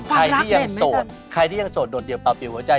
ใครที่ยังโสดโดดเดี่ยวเปล่าผิวหัวใจ